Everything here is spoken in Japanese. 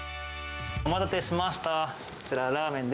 お待たせしました。